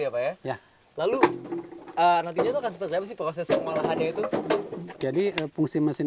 ya pak ya iya lalu nantinya itu akan seperti apa sih proses yang malah ada itu jadi fungsi mesin